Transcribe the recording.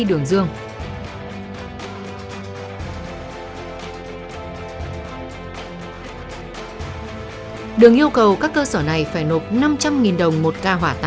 đường yêu cầu các cơ sở này phải nộp năm trăm linh đồng một ca hoạch